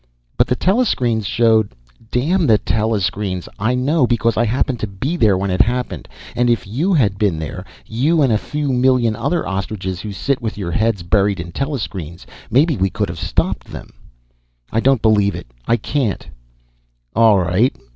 "But the telescreen showed " "Damn the telescreen! I know because I happened to be there when it happened. And if you had been there, you and a few million other ostriches who sit with your heads buried in telescreens, maybe we could have stopped them." "I don't believe it. I can't!" "All right.